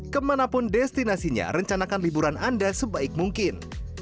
kemanapun destinasinya rencanakan liburan anda sebaik mungkin